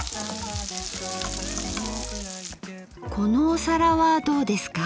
このお皿はどうですか？